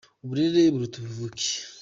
uburere buruta ubuvuke